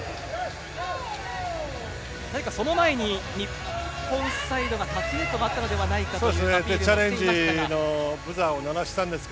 何かその前に日本サイドがタッチネットがあったのではないかというアピールをしていましたが。